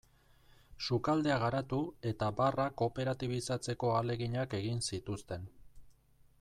Sukaldea garatu eta barra kooperatibizatzeko ahaleginak egin zituzten.